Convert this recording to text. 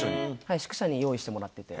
宿舎に用意してもらってて。